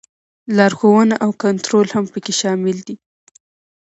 لارښوونه او کنټرول هم پکې شامل دي.